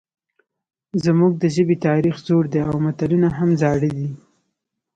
زموږ د ژبې تاریخ زوړ دی او متلونه هم زاړه دي